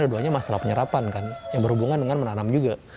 dua duanya masalah penyerapan kan yang berhubungan dengan menanam juga